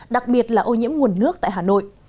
đặc biệt là ô nhiễm nguồn nước tại hà nội